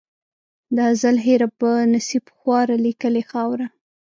د ازل هېره په نصیب خواره لیکلې خاوره